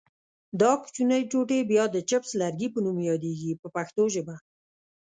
دا کوچنۍ ټوټې بیا د چپس لرګي په نوم یادیږي په پښتو ژبه.